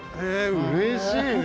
うれしいね。